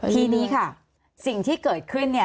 ทีนี้ค่ะสิ่งที่เกิดขึ้นเนี่ย